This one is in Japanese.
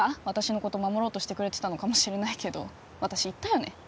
私のこと守ろうとしてくれてたのかもしれないけど私言ったよね